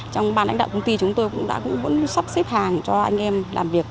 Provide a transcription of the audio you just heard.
trong ban lãnh đạo công ty chúng tôi cũng đã sắp xếp hàng cho anh em làm việc